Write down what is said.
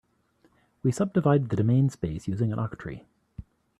We subdivide the domain space using an octree.